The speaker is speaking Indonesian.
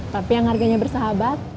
tapi yang harganya bersahabat